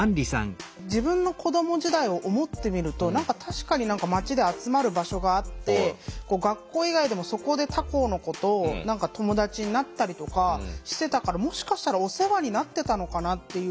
自分の子ども時代を思ってみると確かに何か町で集まる場所があって学校以外でもそこで他校の子と友達になったりとかしてたからもしかしたらお世話になってたのかなっていう。